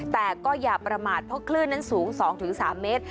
แต่ก็อย่าประมาทเพราะคลื่นนั้นสูง๒๓เมตร